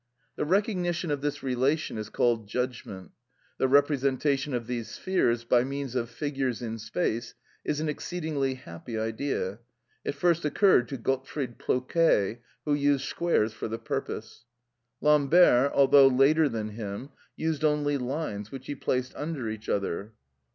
The recognition of this relation is called judgment. The representation of these spheres by means of figures in space, is an exceedingly happy idea. It first occurred to Gottfried Plouquet, who used squares for the purpose. Lambert, although later than him, used only lines, which he placed under each other.